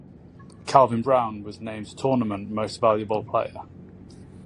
Calvin Brown was named Tournament Most Valuable Player.